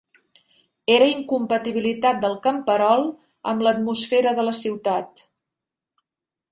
Era incompatibilitat del camperol amb l'atmosfera de la ciutat